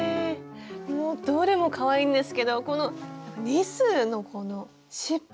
もうどれもかわいいんですけどこのリスのこの尻尾。